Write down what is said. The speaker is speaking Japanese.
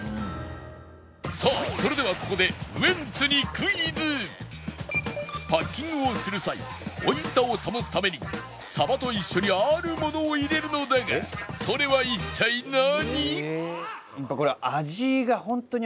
さあそれではここでウエンツにクイズパッキングをする際美味しさを保つためにさばと一緒にあるものを入れるのだがそれは一体何？